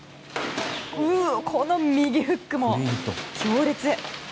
この右フックも強烈。